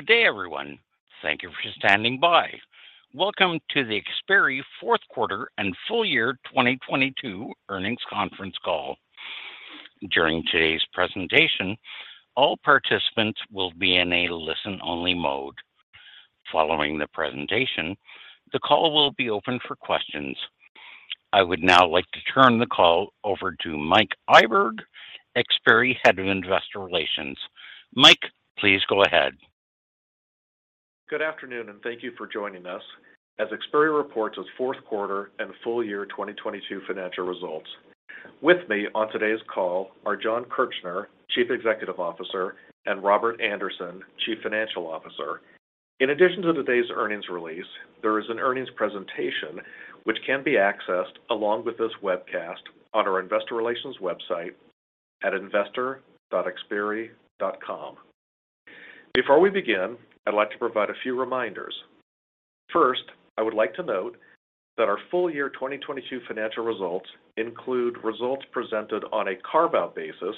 Good day, everyone. Thank you for standing by. Welcome to the Xperi Q4 and Full Year 2022 Earnings Conference Call. During today's presentation, all participants will be in a listen-only mode. Following the presentation, the call will be open for questions. I would now like to turn the call over to Mike Iburg, Xperi Head of Investor Relations. Mike, please go ahead. Good afternoon. Thank you for joining us as Xperi reports its Q4 and full year 2022 financial results. With me on today's call are Jon Kirchner, Chief Executive Officer, and Robert Andersen, Chief Financial Officer. In addition to today's earnings release, there is an earnings presentation which can be accessed along with this webcast on our investor relations website at investor.xperi.com. Before we begin, I'd like to provide a few reminders. First, I would like to note that our full year 2022 financial results include results presented on a carve-out basis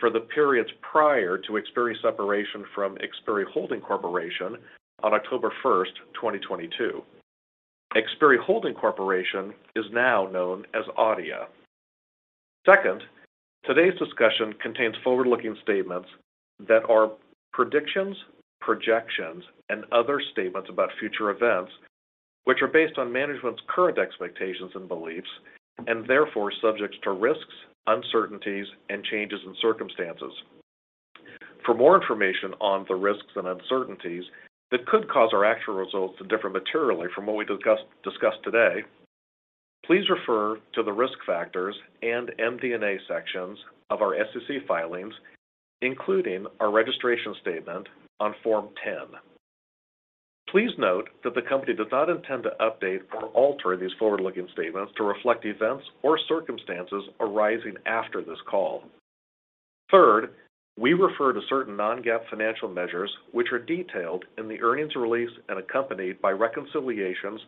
for the periods prior to Xperi's separation from Xperi Holding Corporation on October 1, 2022. Xperi Holding Corporation is now known as Adeia. Second, today's discussion contains forward-looking statements that are predictions, projections, and other statements about future events, which are based on management's current expectations and beliefs and therefore subject to risks, uncertainties, and changes in circumstances. For more information on the risks and uncertainties that could cause our actual results to differ materially from what we discuss today, please refer to the Risk Factors and MD&A sections of our SEC filings, including our registration statement on Form 10. Please note that the company does not intend to update or alter these forward-looking statements to reflect events or circumstances arising after this call. We refer to certain non-GAAP financial measures, which are detailed in the earnings release and accompanied by reconciliations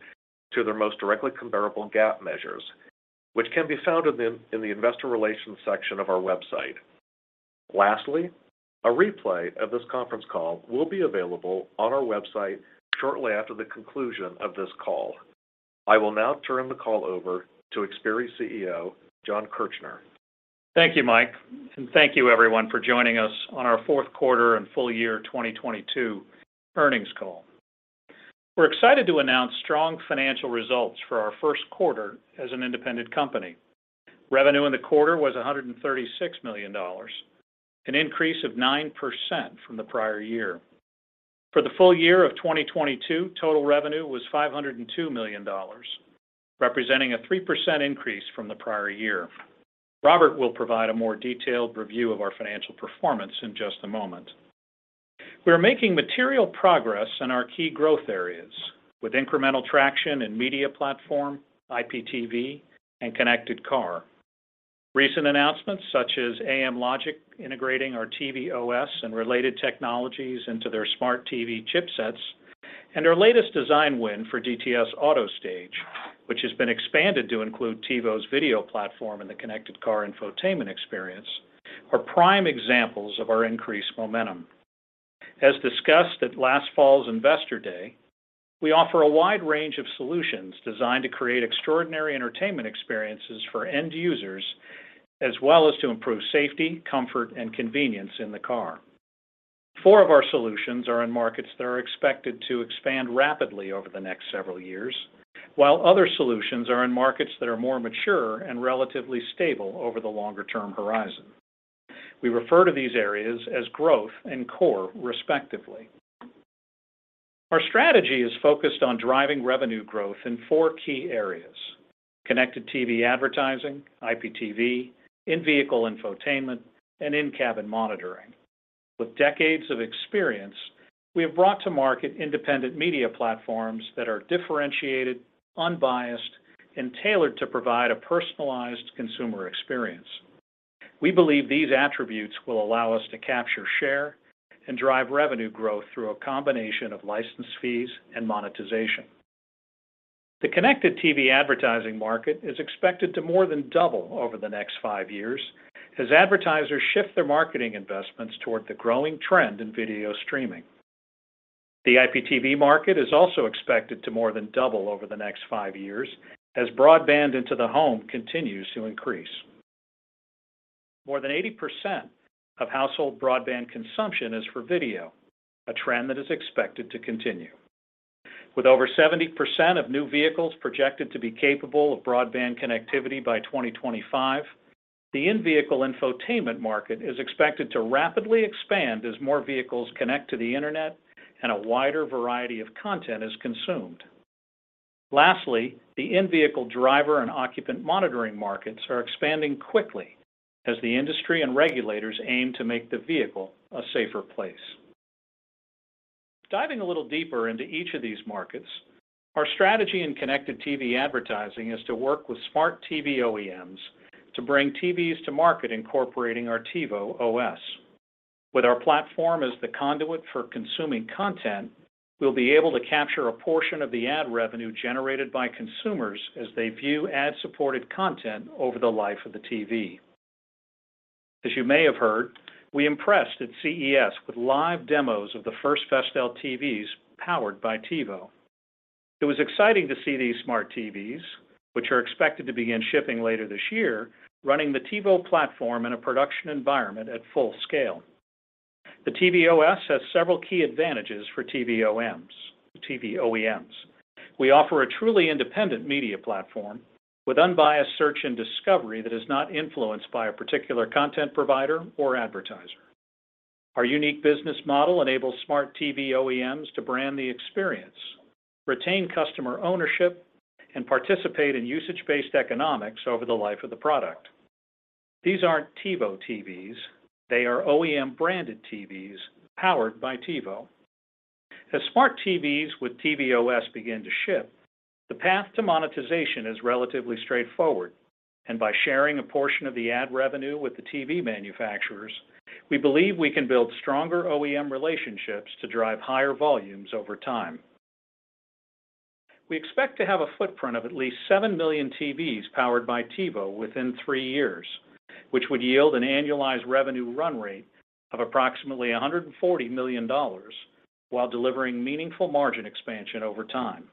to their most directly comparable GAAP measures, which can be found in the Investor Relations section of our website. Lastly, a replay of this conference call will be available on our website shortly after the conclusion of this call. I will now turn the call over to Xperi CEO, Jon Kirchner. Thank you, Mike, and thank you everyone for joining us on our Q4 and full year 2022 earnings call. We're excited to announce strong financial results for our first quarter as an independent company. Revenue in the quarter was $136 million, an increase of 9% from the prior year. For the full year of 2022, total revenue was $502 million, representing a 3% increase from the prior year. Robert will provide a more detailed review of our financial performance in just a moment. We are making material progress in our key growth areas with incremental traction in media platform, IPTV, and connected car. Recent announcements such as Amlogic integrating our TiVo OS and related technologies into their smart TV chipsets and our latest design win for DTS AutoStage, which has been expanded to include TiVo's video platform in the connected car infotainment experience, are prime examples of our increased momentum. As discussed at last fall's Investor Day, we offer a wide range of solutions designed to create extraordinary entertainment experiences for end users, as well as to improve safety, comfort, and convenience in the car. Four of our solutions are in markets that are expected to expand rapidly over the next several years, while other solutions are in markets that are more mature and relatively stable over the longer-term horizon. We refer to these areas as growth and core, respectively. Our strategy is focused on driving revenue growth in four key areas: connected TV advertising, IPTV, in-vehicle infotainment, and in-cabin monitoring. With decades of experience, we have brought to market independent media platforms that are differentiated, unbiased, and tailored to provide a personalized consumer experience. We believe these attributes will allow us to capture share and drive revenue growth through a combination of license fees and monetization. The connected TV advertising market is expected to more than double over the next five years as advertisers shift their marketing investments toward the growing trend in video streaming. The IPTV market is also expected to more than double over the next five years as broadband into the home continues to increase. More than 80% of household broadband consumption is for video, a trend that is expected to continue. With over 70% of new vehicles projected to be capable of broadband connectivity by 2025, the in-vehicle infotainment market is expected to rapidly expand as more vehicles connect to the internet and a wider variety of content is consumed. Lastly, the in-vehicle driver and occupant monitoring markets are expanding quickly as the industry and regulators aim to make the vehicle a safer place. Diving a little deeper into each of these markets, our strategy in connected TV advertising is to work with smart TV OEMs to bring TVs to market incorporating our TiVo OS. With our platform as the conduit for consuming content, we'll be able to capture a portion of the ad revenue generated by consumers as they view ad-supported content over the life of the TV. As you may have heard, we impressed at CES with live demos of the first Vestel TVs Powered by TiVo. It was exciting to see these smart TVs, which are expected to begin shipping later this year, running the TiVo platform in a production environment at full scale. The TiVo OS has several key advantages for TV OEMs. We offer a truly independent media platform with unbiased search and discovery that is not influenced by a particular content provider or advertiser. Our unique business model enables smart TV OEMs to brand the experience, retain customer ownership, and participate in usage-based economics over the life of the product. These aren't TiVo TVs. They are OEM branded TVs Powered by TiVo. As smart TVs with TiVo OS begin to ship, the path to monetization is relatively straightforward. By sharing a portion of the ad revenue with the TV manufacturers, we believe we can build stronger OEM relationships to drive higher volumes over time. We expect to have a footprint of at least 7 million TVs Powered by TiVo within 3 years, which would yield an annualized revenue run rate of approximately $140 million while delivering meaningful margin expansion over time.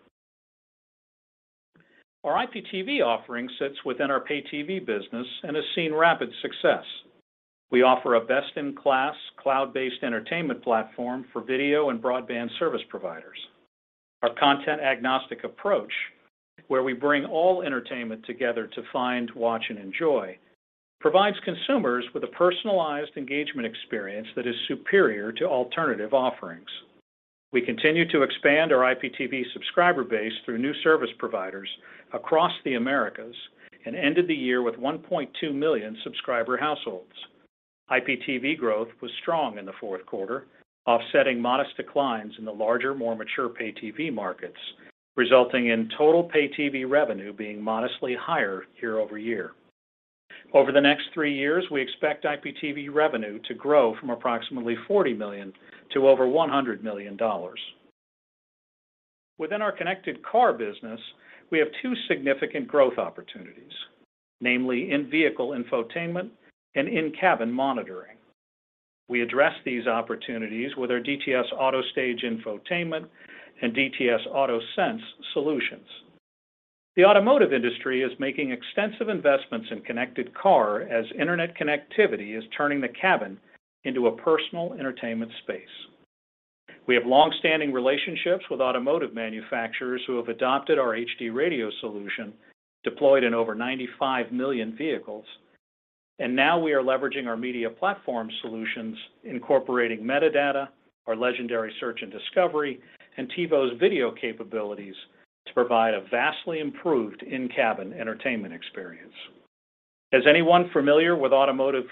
Our IPTV offering sits within our pay TV business and has seen rapid success. We offer a best-in-class cloud-based entertainment platform for video and broadband service providers. Our content agnostic approach, where we bring all entertainment together to find, watch, and enjoy, provides consumers with a personalized engagement experience that is superior to alternative offerings. We continue to expand our IPTV subscriber base through new service providers across the Americas and ended the year with 1.2 million subscriber households. IPTV growth was strong in the Q4, offsetting modest declines in the larger, more mature pay TV markets, resulting in total pay TV revenue being modestly higher year-over-year. Over the next 3 years, we expect IPTV revenue to grow from approximately $40 million to over $100 million. Within our connected car business, we have 2 significant growth opportunities, namely in-vehicle infotainment and in-cabin monitoring. We address these opportunities with our DTS AutoStage infotainment and DTS AutoSense solutions. The automotive industry is making extensive investments in connected car as Internet connectivity is turning the cabin into a personal entertainment space. We have long-standing relationships with automotive manufacturers who have adopted our HD Radio solution deployed in over 95 million vehicles, and now we are leveraging our media platform solutions incorporating metadata, our legendary search and discovery, and TiVo's video capabilities to provide a vastly improved in-cabin entertainment experience. As anyone familiar with automotive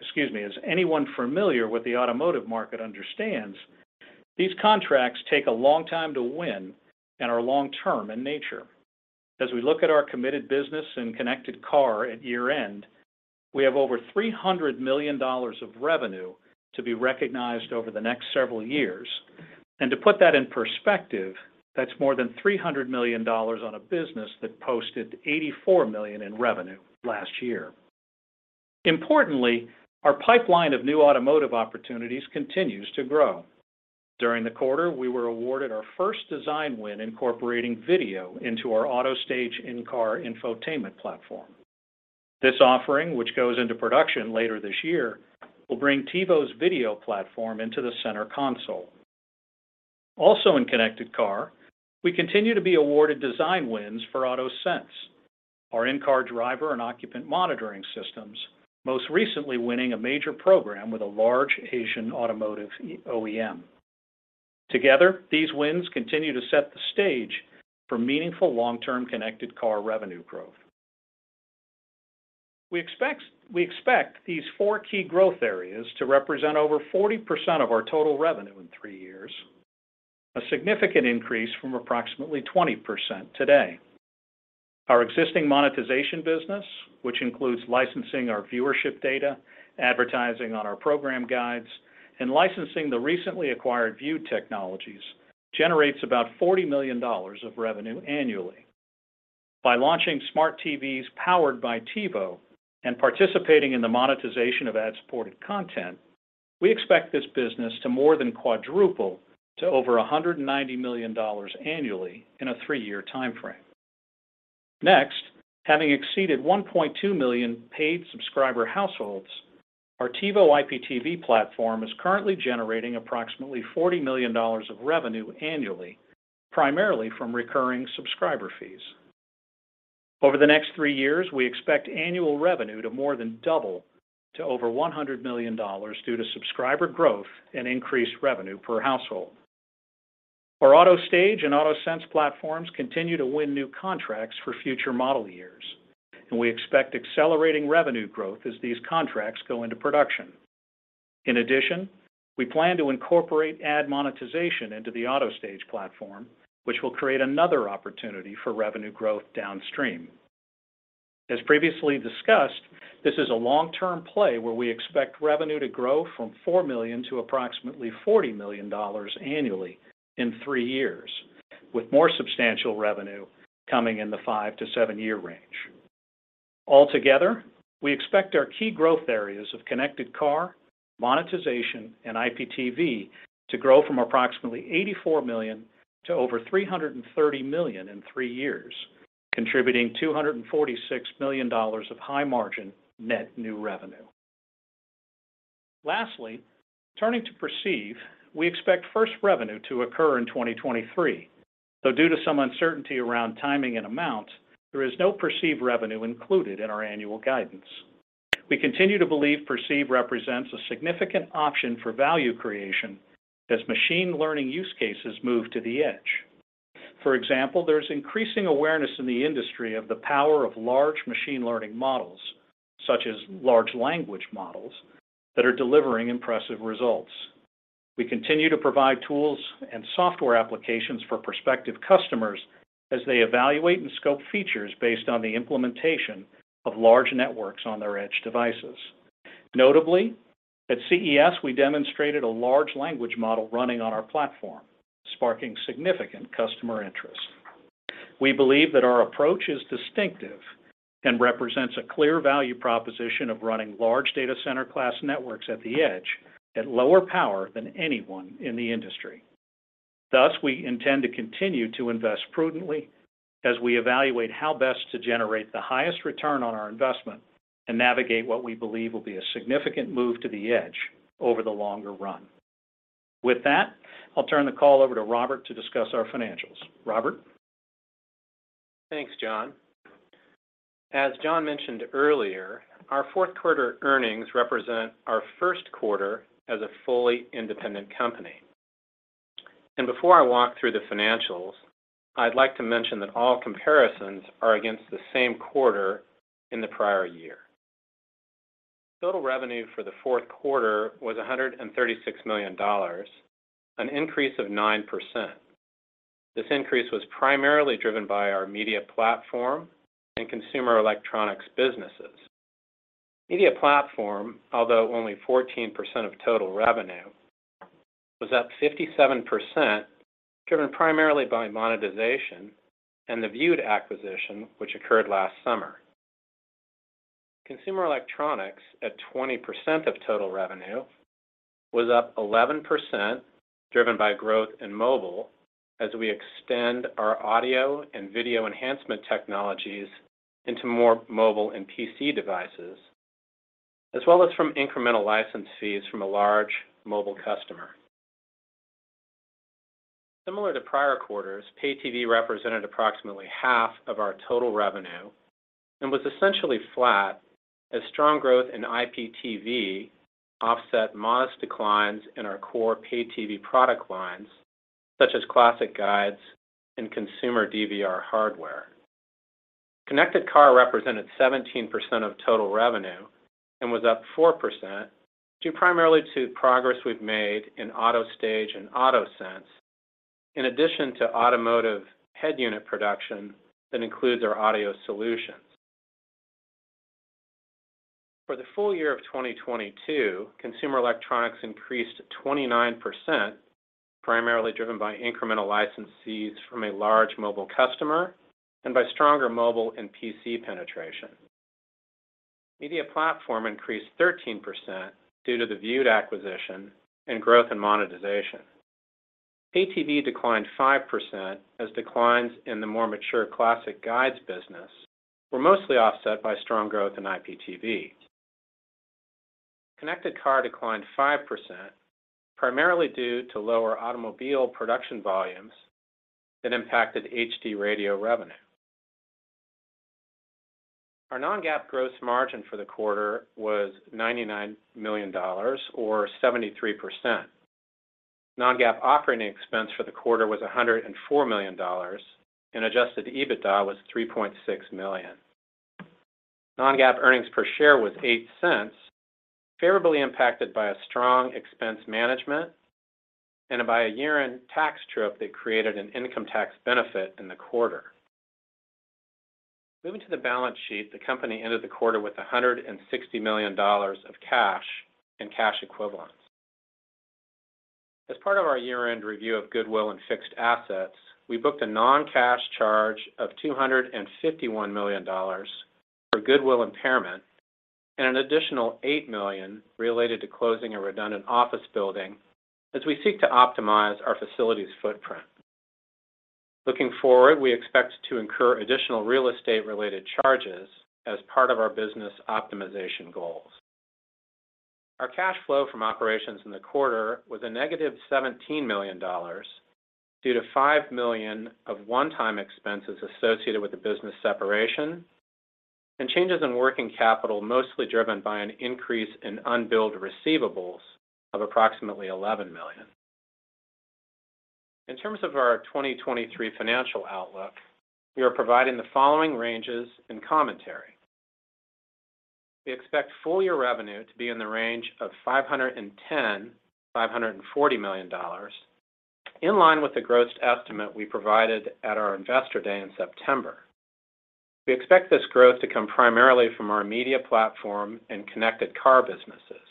excuse me. As anyone familiar with the automotive market understands, these contracts take a long time to win and are long-term in nature. As we look at our committed business in connected car at year-end, we have over $300 million of revenue to be recognized over the next several years. To put that in perspective, that's more than $300 million on a business that posted $84 million in revenue last year. Importantly, our pipeline of new automotive opportunities continues to grow. During the quarter, we were awarded our first design win incorporating video into our DTS AutoStage in-car infotainment platform. This offering, which goes into production later this year, will bring TiVo's video platform into the center console. Also in connected car, we continue to be awarded design wins for DTS AutoSense. Our in-car driver and occupant monitoring systems, most recently winning a major program with a large Asian automotive OEM. Together, these wins continue to set the stage for meaningful long-term connected car revenue growth. We expect these four key growth areas to represent over 40% of our total revenue in three years, a significant increase from approximately 20% today. Our existing monetization business, which includes licensing our viewership data, advertising on our program guides, and licensing the recently acquired Vewd technologies, generates about $40 million of revenue annually. By launching smart TVs Powered by TiVo and participating in the monetization of ad-supported content, we expect this business to more than quadruple to over $190 million annually in a three-year timeframe. Next, having exceeded 1.2 million paid subscriber households, our TiVo IPTV platform is currently generating approximately $40 million of revenue annually, primarily from recurring subscriber fees. Over the next three years, we expect annual revenue to more than double to over $100 million due to subscriber growth and increased revenue per household. Our DTS AutoStage and DTS AutoSense platforms continue to win new contracts for future model years, and we expect accelerating revenue growth as these contracts go into production. In addition, we plan to incorporate ad monetization into the DTS AutoStage platform, which will create another opportunity for revenue growth downstream. As previously discussed, this is a long-term play where we expect revenue to grow from $4 million to approximately $40 million annually in 3 years. With more substantial revenue coming in the 5 to 7 year range. Altogether, we expect our key growth areas of connected car, monetization, and IPTV to grow from approximately $84 million to over $330 million in 3 years, contributing $246 million of high margin net new revenue. Lastly, turning to Perceive, we expect first revenue to occur in 2023, though due to some uncertainty around timing and amount, there is no Perceive revenue included in our annual guidance. We continue to believe Perceive represents a significant option for value creation as machine learning use cases move to the edge. For example, there's increasing awareness in the industry of the power of large machine learning models, such as large language models, that are delivering impressive results. We continue to provide tools and software applications for prospective customers as they evaluate and scope features based on the implementation of large networks on their edge devices. Notably, at CES, we demonstrated a large language model running on our platform, sparking significant customer interest. We believe that our approach is distinctive and represents a clear value proposition of running large data center class networks at the edge at lower power than anyone in the industry. Thus, we intend to continue to invest prudently as we evaluate how best to generate the highest return on our investment and navigate what we believe will be a significant move to the edge over the longer run. With that, I'll turn the call over to Robert to discuss our financials. Robert? Thanks, Jon. As Jon mentioned earlier, our Q4 earnings represent our first quarter as a fully independent company. Before I walk through the financials, I'd like to mention that all comparisons are against the same quarter in the prior year. Total revenue for the Q4 was $136 million, an increase of 9%. This increase was primarily driven by our media platform and consumer electronics businesses. Media platform, although only 14% of total revenue, was up 57%, driven primarily by monetization and the Vewd acquisition, which occurred last summer. Consumer electronics, at 20% of total revenue, was up 11%, driven by growth in mobile as we extend our audio and video enhancement technologies into more mobile and PC devices, as well as from incremental license fees from a large mobile customer. Similar to prior quarters, pay TV represented approximately half of our total revenue and was essentially flat as strong growth in IPTV offset modest declines in our core pay TV product lines, such as classic guides and consumer DVR hardware. Connected car represented 17% of total revenue and was up 4% due primarily to progress we've made in AutoStage and AutoSense, in addition to automotive head unit production that includes our audio solutions. For the full year of 2022, consumer electronics increased 29%, primarily driven by incremental license fees from a large mobile customer and by stronger mobile and PC penetration. Media platform increased 13% due to the Vewd acquisition and growth in monetization. Pay TV declined 5% as declines in the more mature classic guides business were mostly offset by strong growth in IPTV. Connected car declined 5%, primarily due to lower automobile production volumes that impacted HD Radio revenue. Our non-GAAP gross margin for the quarter was $99 million, or 73%. non-GAAP operating expense for the quarter was $104 million, and adjusted EBITDA was $3.6 million. non-GAAP earnings per share was $0.08, favorably impacted by a strong expense management and by a year-end tax true-up that created an income tax benefit in the quarter. Moving to the balance sheet, the company ended the quarter with $160 million of cash and cash equivalents. As part of our year-end review of goodwill and fixed assets, we booked a non-cash charge of $251 million for goodwill impairment and an additional $8 million related to closing a redundant office building as we seek to optimize our facilities footprint. Looking forward, we expect to incur additional real estate-related charges as part of our business optimization goals. Our cash flow from operations in the quarter was a negative $17 million due to $5 million of one-time expenses associated with the business separation and changes in working capital, mostly driven by an increase in unbilled receivables of approximately $11 million. In terms of our 2023 financial outlook, we are providing the following ranges and commentary. We expect full year revenue to be in the range of $510 to 540 million, in line with the gross estimate we provided at our Investor Day in September. We expect this growth to come primarily from our media platform and connected car businesses.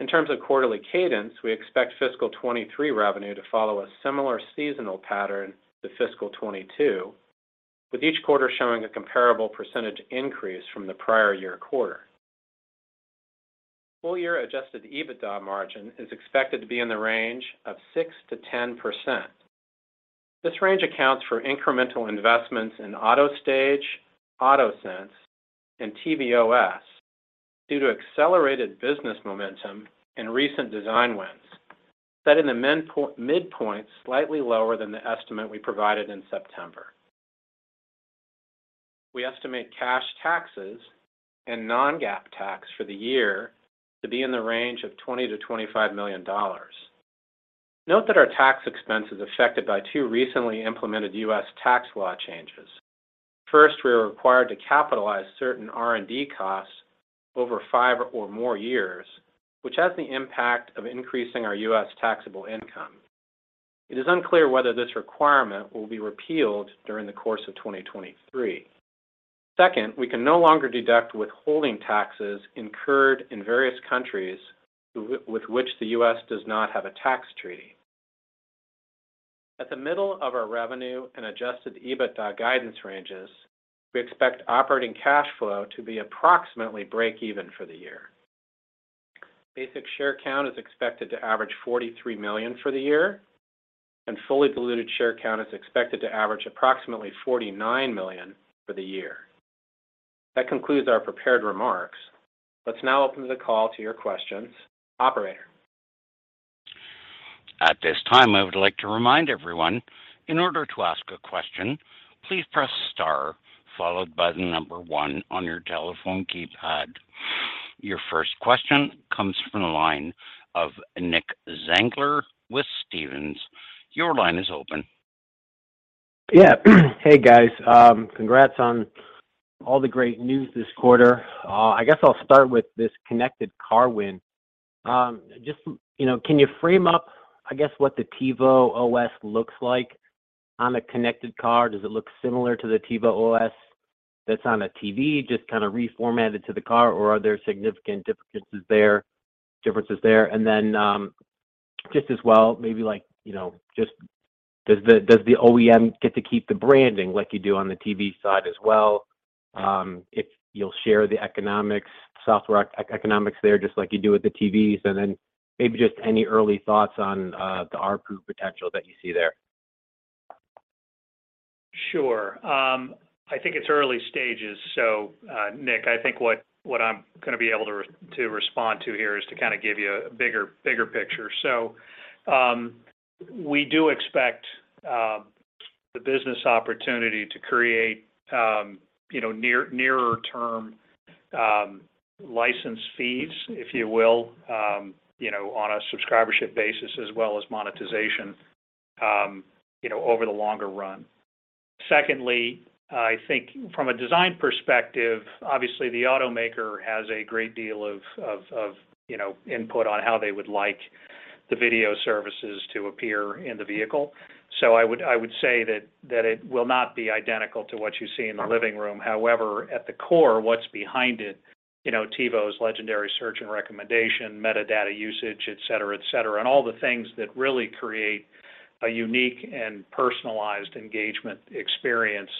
In terms of quarterly cadence, we expect fiscal 23 revenue to follow a similar seasonal pattern to fiscal 22, with each quarter showing a comparable % increase from the prior year quarter. Full year adjusted EBITDA margin is expected to be in the range of 6% to 10%. This range accounts for incremental investments in DTS AutoStage, Auto Sense and TiVo OS due to accelerated business momentum and recent design wins set in the midpoints slightly lower than the estimate we provided in September. We estimate cash taxes and non-GAAP tax for the year to be in the range of $20 to 25 million. Note that our tax expense is affected by two recently implemented U.S. tax law changes. First, we are required to capitalize certain R&D costs over 5 or more years, which has the impact of increasing our U.S. taxable income. It is unclear whether this requirement will be repealed during the course of 2023. Second, we can no longer deduct withholding taxes incurred in various countries with which the U.S. does not have a tax treaty. At the middle of our revenue and adjusted EBITDA guidance ranges, we expect operating cash flow to be approximately break even for the year. Basic share count is expected to average 43 million for the year, and fully diluted share count is expected to average approximately 49 million for the year. That concludes our prepared remarks. Let's now open the call to your questions. Operator. At this time, I would like to remind everyone, in order to ask a question, please press star followed by one on your telephone keypad. Your first question comes from the line of Nick Zangler with Stephens. Your line is open. Yeah. Hey, guys. Congrats on all the great news this quarter. I guess I'll start with this connected car win. Just, you know, can you frame up, I guess, what the TiVo OS looks like on a connected car? Does it look similar to the TiVo OS that's on a TV, just kind of reformatted to the car, or are there significant differences there? Just as well, maybe like, you know, does the OEM get to keep the branding like you do on the TV side as well? If you'll share the economics, software economics there, just like you do with the TVs, maybe just any early thoughts on the ARPU potential that you see there. Sure. I think it's early stages. Nick, I think what I'm gonna be able to respond to here is to kind of give you a bigger picture. We do expect the business opportunity to create, you know, nearer term license fees, if you will, you know, on a subscribership basis as well as monetization, you know, over the longer run. Secondly, I think from a design perspective, obviously the automaker has a great deal of, you know, input on how they would like the video services to appear in the vehicle. I would say that it will not be identical to what you see in the living room. At the core, what's behind it, you know, TiVo's legendary search and recommendation, metadata usage, et cetera, et cetera, and all the things that really create a unique and personalized engagement experience,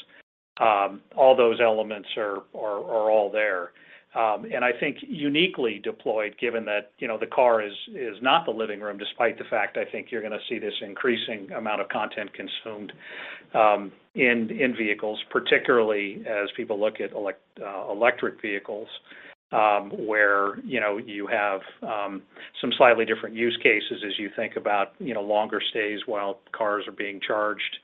all those elements are all there. I think uniquely deployed, given that, you know, the car is not the living room, despite the fact I think you're gonna see this increasing amount of content consumed in vehicles. Particularly as people look at electric vehicles, where, you know, you have some slightly different use cases as you think about, you know, longer stays while cars are being charged.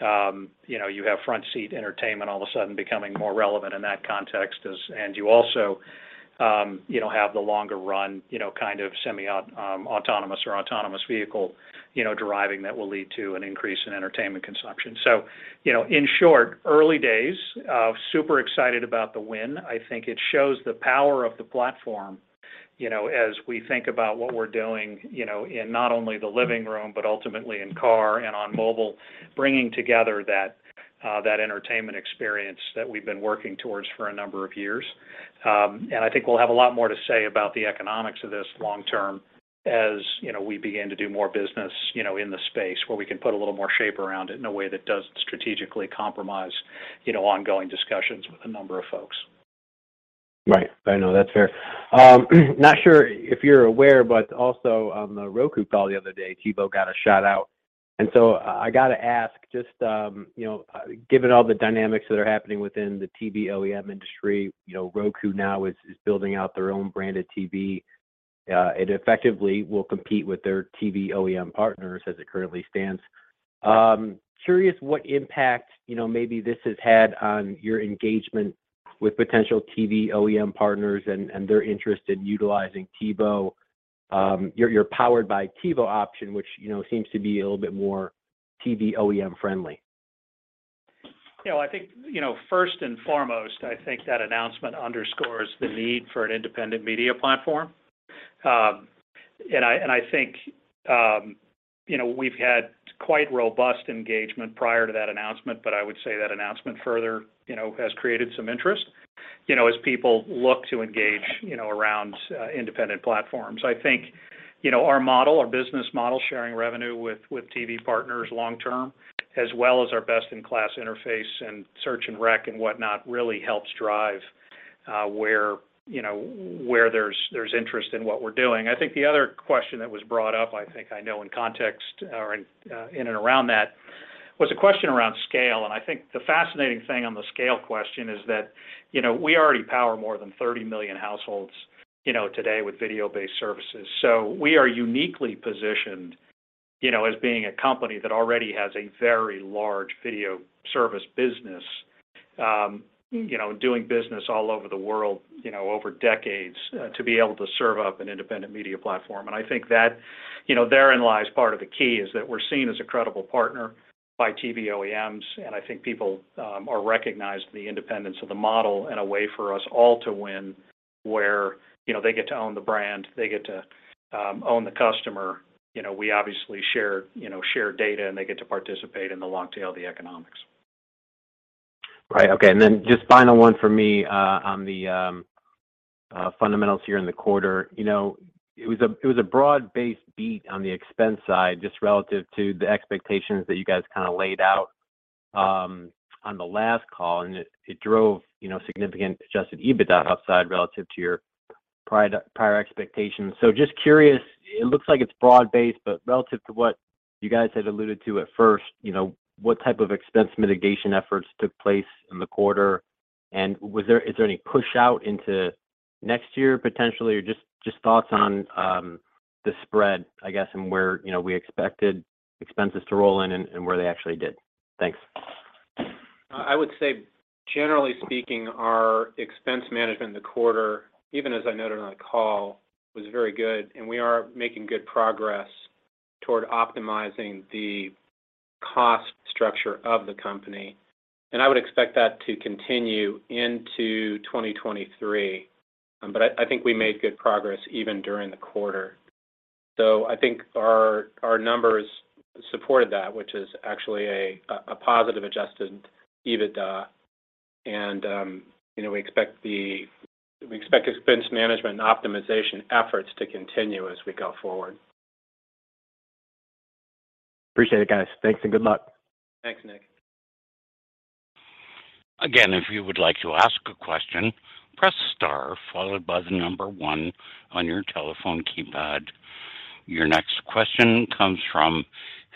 You know, you have front seat entertainment all of a sudden becoming more relevant in that context, and you also, you know, have the longer run, you know, kind of semi-autonomous or autonomous vehicle, you know, driving that will lead to an increase in entertainment consumption. You know, in short, early days, super excited about the win. I think it shows the power of the platform, you know, as we think about what we're doing, you know, in not only the living room, but ultimately in car and on mobile, bringing together that entertainment experience that we've been working towards for a number of years. I think we'll have a lot more to say about the economics of this long term as, you know, we begin to do more business, you know, in the space where we can put a little more shape around it in a way that doesn't strategically compromise, you know, ongoing discussions with a number of folks. Right. I know, that's fair. Not sure if you're aware, but also on the Roku call the other day, TiVo got a shout out. I gotta ask just, you know, given all the dynamics that are happening within the TV OEM industry, you know, Roku now is building out their own branded TV. It effectively will compete with their TV OEM partners as it currently stands. Curious what impact, you know, maybe this has had on your engagement with potential TV OEM partners and their interest in utilizing TiVo, your Powered by TiVo option, which you know, seems to be a little bit more TV OEM friendly? I think, first and foremost, I think that announcement underscores the need for an independent media platform. I think, we've had quite robust engagement prior to that announcement, I would say that announcement further has created some interest as people look to engage around independent platforms. Our model, our business model, sharing revenue with TV partners long term, as well as our best-in-class interface and search and rec and whatnot really helps drive where there's interest in what we're doing. The other question that was brought up in context or in and around that, was a question around scale. I think the fascinating thing on the scale question is that, you know, we already power more than 30 million households, you know, today with video-based services. We are uniquely positioned, you know, as being a company that already has a very large video service business, you know, doing business all over the world, you know, over decades, to be able to serve up an independent media platform. I think that, you know, therein lies part of the key, is that we're seen as a credible partner by TV OEMs. I think people are recognizing the independence of the model in a way for us all to win where, you know, they get to own the brand, they get to own the customer. You know, we obviously share, you know, share data, and they get to participate in the long tail of the economics. Right. Okay. Just final one for me on the fundamentals here in the quarter. You know, it was a broad-based beat on the expense side, just relative to the expectations that you guys kind of laid out on the last call, and it drove, you know, significant adjusted EBITDA upside relative to your prior expectations. Just curious, it looks like it's broad-based, but relative to what you guys had alluded to at first, you know, what type of expense mitigation efforts took place in the quarter? Is there any pushout into next year potentially? Or just thoughts on the spread, I guess, and where, you know, we expected expenses to roll in and where they actually did? Thanks. I would say generally speaking, our expense management in the quarter, even as I noted on the call, was very good, and we are making good progress toward optimizing the cost structure of the company. I would expect that to continue into 2023. I think we made good progress even during the quarter. I think our numbers supported that, which is actually a positive adjusted EBITDA. You know, we expect expense management and optimization efforts to continue as we go forward. Appreciate it, guys. Thanks and good luck. Thanks, Nick. Again, if you would like to ask a question, press star followed by one on your telephone keypad. Your next question comes from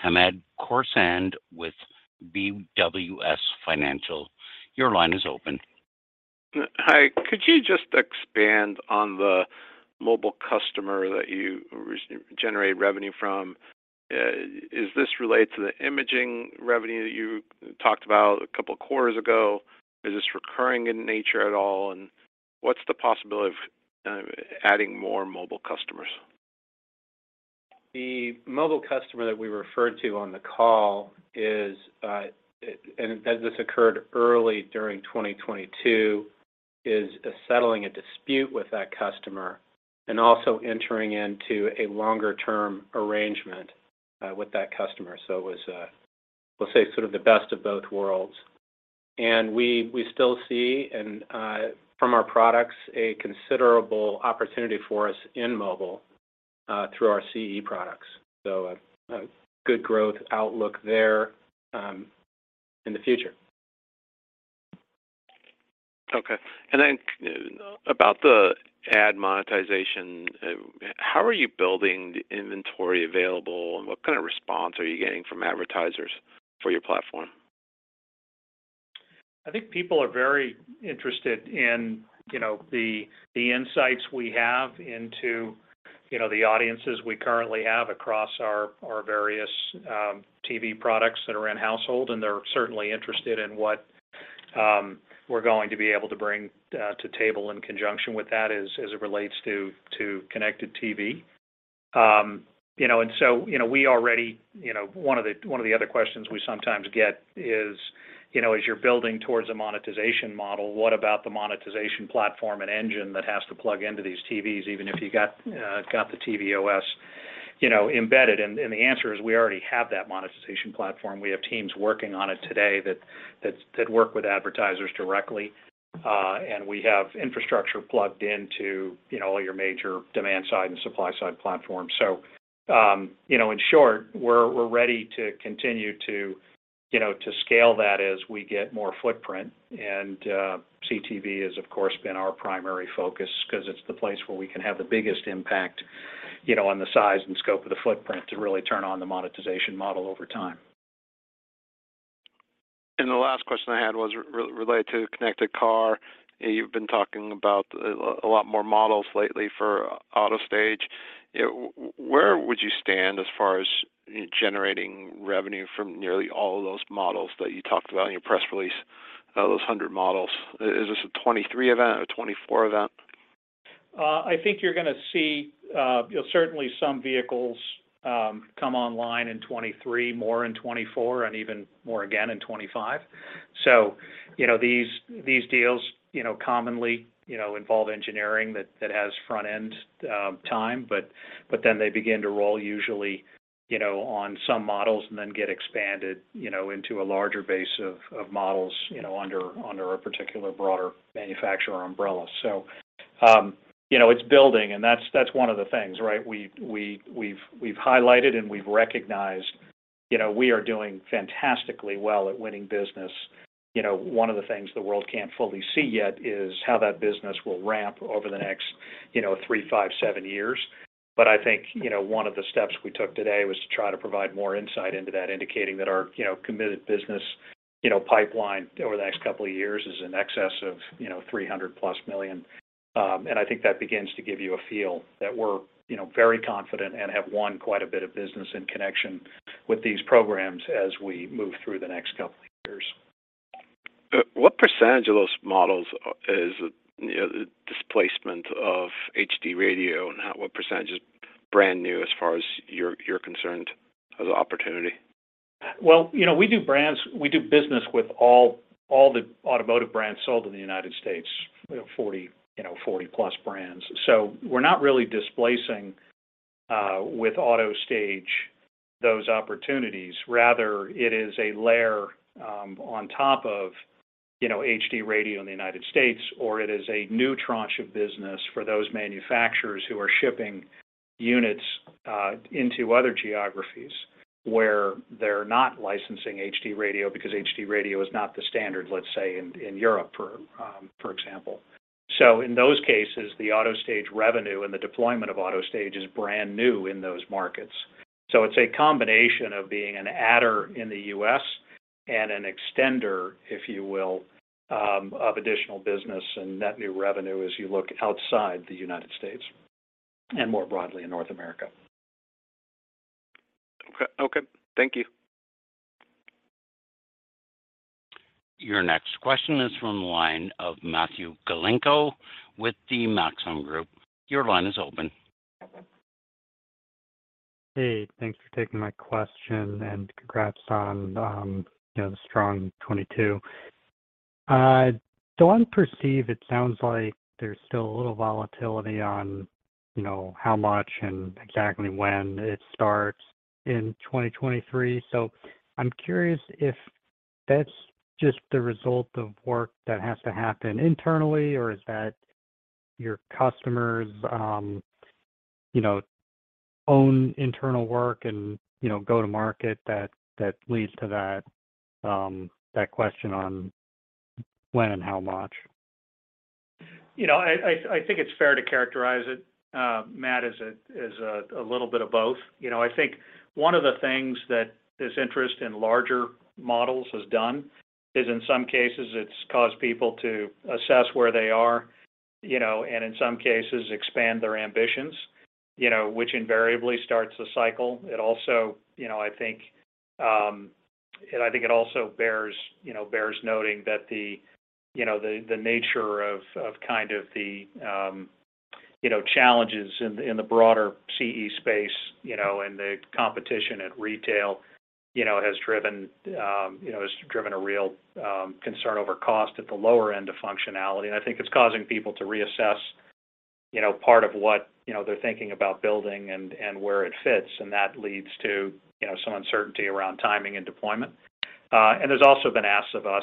Hamed Khorsand with BWS Financial. Your line is open. Hi. Could you just expand on the mobile customer that you re-generate revenue from? Is this related to the imaging revenue that you talked about a couple of quarters ago? Is this recurring in nature at all, and what's the possibility of adding more mobile customers? The mobile customer that we referred to on the call is, and as this occurred early during 2022, is settling a dispute with that customer and also entering into a longer-term arrangement, with that customer. It was, we'll say sort of the best of both worlds. We, we still see and, from our products, a considerable opportunity for us in mobile, through our CE products. A, a good growth outlook there, in the future. Okay. About the ad monetization, how are you building the inventory available, and what kind of response are you getting from advertisers for your platform? I think people are very interested in, you know, the insights we have into, you know, the audiences we currently have across our various TV products that are in household. They're certainly interested in what we're going to be able to bring to table in conjunction with that as it relates to connected TV. You know, you know, we already. You know, one of the other questions we sometimes get is, you know, as you're building towards a monetization model, what about the monetization platform and engine that has to plug into these TVs, even if you got the TiVo OS, you know, embedded? The answer is, we already have that monetization platform. We have teams working on it today that work with advertisers directly. We have infrastructure plugged into, you know, all your major demand side and supply side platforms. You know, in short, we're ready to continue to, you know, to scale that as we get more footprint. CTV has, of course, been our primary focus 'cause it's the place where we can have the biggest impact, you know, on the size and scope of the footprint to really turn on the monetization model over time. The last question I had was related to connected car. You've been talking about a lot more models lately for AutoStage. You know, where would you stand as far as generating revenue from nearly all of those models that you talked about in your press release, those 100 models? Is this a 2023 event, a 2024 event? I think you're gonna see certainly some vehicles come online in 2023, more in 2024, and even more again in 2025. You know, these deals, you know, commonly, you know, involve engineering that has front end time, but then they begin to roll usually, you know, on some models and then get expanded, you know, into a larger base of models, you know, under a particular broader manufacturer umbrella. You know, it's building, and that's one of the things, right? We've highlighted and we've recognized, you know, we are doing fantastically well at winning business. You know, one of the things the world can't fully see yet is how that business will ramp over the next, you know, 3, 5, 7 years. I think, you know, one of the steps we took today was to try to provide more insight into that, indicating that our, you know, committed business, you know, pipeline over the next couple of years is in excess of, you know, $300+ million. I think that begins to give you a feel that we're, you know, very confident and have won quite a bit of business in connection with these programs as we move through the next couple of years. What percentage of those models is, you know, displacement of HD Radio and what percentage is brand new as far as you're concerned as an opportunity? Well, you know, we do business with all the automotive brands sold in the United States. You know, 40 plus brands. We're not really displacing with AutoStage those opportunities. Rather, it is a layer on top of, you know, HD Radio in the United States, or it is a new tranche of business for those manufacturers who are shipping units into other geographies where they're not licensing HD Radio because HD Radio is not the standard, let's say, in Europe for example. In those cases, the AutoStage revenue and the deployment of AutoStage is brand new in those markets. It's a combination of being an adder in the U.S. and an extender, if you will, of additional business and net new revenue as you look outside the United States and more broadly in North America. Okay. Okay. Thank you. Your next question is from the line of Matthew Galinko with the Maxim Group. Your line is open. Thanks for taking my question and congrats on, you know, the strong 2022. I Perceive it sounds like there's still a little volatility on, you know, how much and exactly when it starts in 2023. I'm curious if that's just the result of work that has to happen internally, or is that your customers', you know, own internal work and, you know, go to market that leads to that question on when and how much? You know, I think it's fair to characterize it, Matt, as a little bit of both. You know, I think one of the things that this interest in larger models has done is in some cases it's caused people to assess where they are, you know, and in some cases expand their ambitions, you know, which invariably starts a cycle. I think it also bears noting that the nature of kind of the, you know, challenges in the broader CE space, you know, and the competition at retail, you know, has driven a real concern over cost at the lower end of functionality. I think it's causing people to reassess, you know, part of what, you know, they're thinking about building and where it fits, and that leads to, you know, some uncertainty around timing and deployment. There's also been asks of us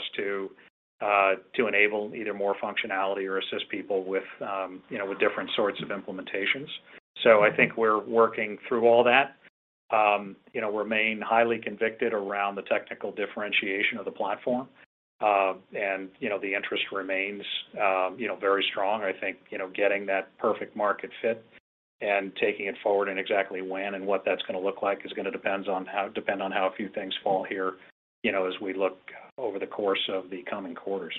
to enable either more functionality or assist people with, you know, with different sorts of implementations. I think we're working through all that. You know, remain highly convicted around the technical differentiation of the platform. You know, the interest remains, you know, very strong. I think, you know, getting that perfect market fit and taking it forward and exactly when and what that's gonna look like is gonna depend on how a few things fall here, you know, as we look over the course of the coming quarters.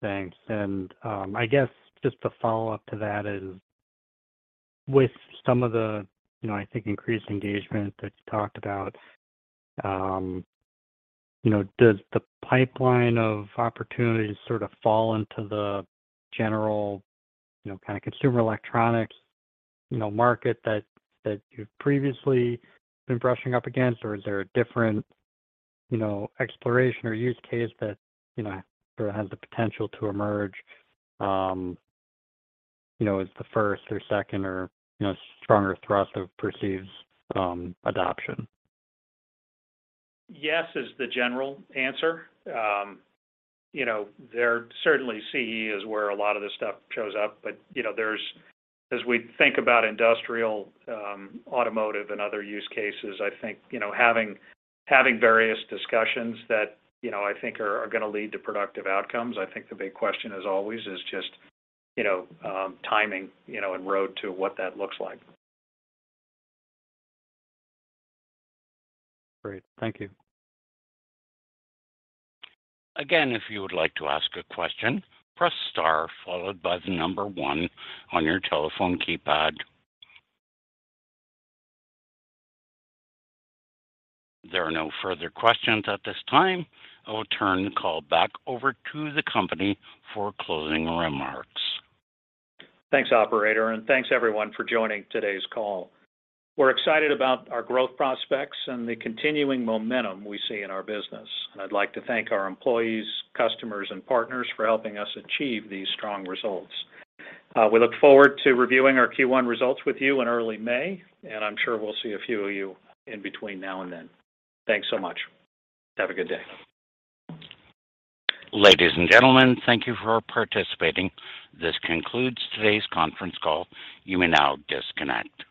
Thanks. I guess just a follow-up to that is with some of the, you know, I think increased engagement that you talked about, you know, does the pipeline of opportunities sort of fall into the general, you know, kind of consumer electronics, you know, market that you've previously been brushing up against? Or is there a different, you know, exploration or use case that, you know, sort of has the potential to emerge, you know, as the first or second or, you know, stronger thrust of Perceive adoption? Yes, is the general answer. You know, there certainly CE is where a lot of this stuff shows up. As we think about industrial, automotive and other use cases, I think, you know, having various discussions that, you know, I think are gonna lead to productive outcomes. I think the big question as always is just, you know, timing, you know, and road to what that looks like. Great. Thank you. Again, if you would like to ask a question, press star followed by the number one on your telephone keypad. There are no further questions at this time. I will turn the call back over to the company for closing remarks. Thanks, operator. Thanks everyone for joining today's call. We're excited about our growth prospects and the continuing momentum we see in our business. I'd like to thank our employees, customers, and partners for helping us achieve these strong results. We look forward to reviewing our Q1 results with you in early May, and I'm sure we'll see a few of you in between now and then. Thanks so much. Have a good day. Ladies and gentlemen, thank you for participating. This concludes today's conference call. You may now disconnect.